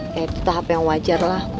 ya itu tahap yang wajar lah